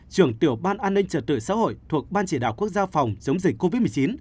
trưởng tiểu ban an ninh trật tự xã hội thuộc ban chỉ đạo quốc gia phòng chống dịch covid một mươi chín